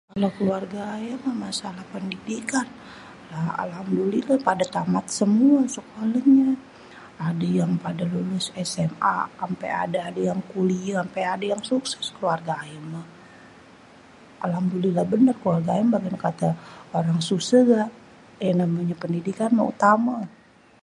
Kalo keluarga ayêmah masalah pendidikan ya alhamdulillah pada tamat semuê sekolahnyê. Adé yang pada lulus SMA ampé ada yang kuliah ampé ada yang sukses keluarga ayé mah. Alhamdulillah bener keluarga ayé mah bagen katê orang susêh juga e namanya pendidikan meh utame